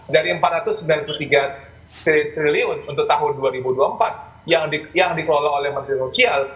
dari rp empat ratus sembilan puluh tiga triliun untuk tahun dua ribu dua puluh empat yang dikelola oleh menteri sosial